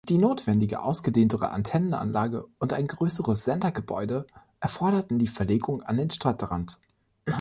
Die notwendige ausgedehntere Antennenanlage und ein größeres Sendergebäude erforderten die Verlegung an den Stadtrand.